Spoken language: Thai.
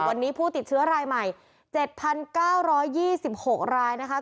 วันนี้ผู้ติดเชื้อรายใหม่๗๙๒๖รายนะคะ